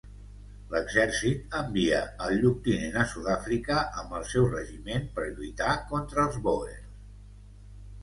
L’exercit envia el lloctinent a Sud-àfrica amb el seu regiment per lluitar contra els bòers.